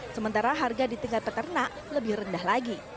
sementara harga di tingkat peternak lebih rendah lagi